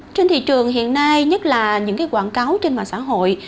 trên thị trường hiện nay nhất là những quảng cáo trên mạng xã hội